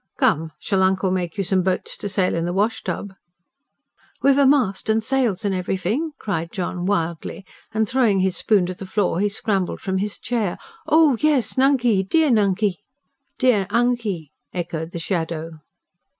"Come, shall uncle make you some boats to sail in the wash tub?" "Wiv a mast an' sails an' everyfing?" cried John wildly; and throwing his spoon to the floor, he scrambled from his chair. "Oh yes, Nunkey dear Nunkey!" "Dea Unkey!" echoed the shadow.